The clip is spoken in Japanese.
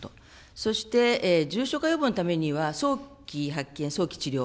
そして重症化予防のためには、早期発見、早期治療。